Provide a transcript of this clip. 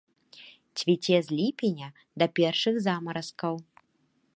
Цвіце з ліпеня да першых замаразкаў.